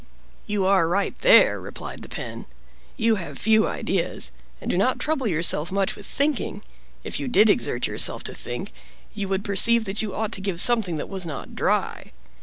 "You are right there," replied the Pen. "You have few ideas, and do not trouble yourself much with thinking, if you did exert yourself to think, you would perceive that you ought to give something that was not dry.